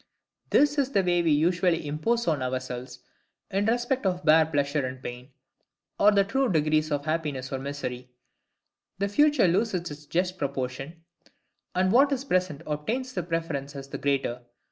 This is the way we usually impose on ourselves, in respect of bare pleasure and pain, or the true degrees of happiness or misery: the future loses its just proportion, and what is present obtains the preference as the greater.